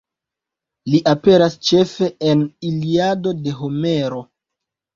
Li aperas ĉefe en Iliado de Homero.